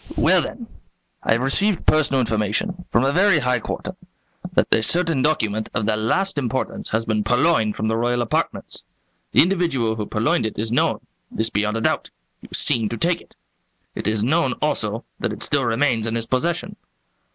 "Well, then; I have received personal information, from a very high quarter, that a certain document of the last importance has been purloined from the royal apartments. The individual who purloined it is known this beyond a doubt; he was seen to take it. It is known, also, that it still remains in his possession."